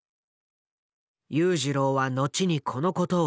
裕次郎は後にこのことを振り返り